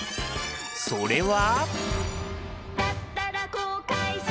それは。